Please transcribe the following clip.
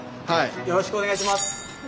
よろしくお願いします。